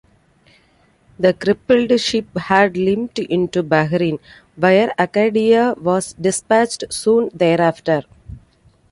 The crippled ship had limped into Bahrain, where "Acadia" was dispatched soon thereafter.